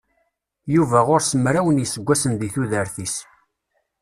Yuba ɣur-s mraw n yiseggasen deg tudert-is.